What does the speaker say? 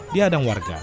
tidak ada warga